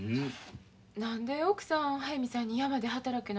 何で奥さん速水さんに山で働けなんて